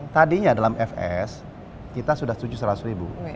tadinya dalam fs kita sudah rp tujuh ratus